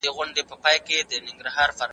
پلار د کورنۍ د ستونزو د حل لپاره هڅه کوي.